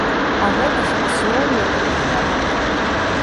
А гэта ж асноўны электарат.